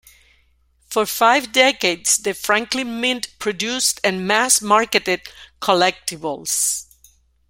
For five decades The Franklin Mint produced and mass marketed "collectibles".